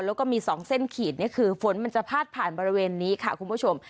แล้วก็มี๒เส้นขีดนี่คือฝนมันจะพาดผ่านบริเวณนี้ค่ะคุณผู้ชม